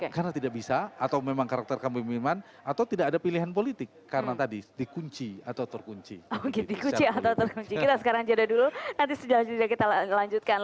karena tidak bisa atau memang karakter kami memiliki kemanusiaan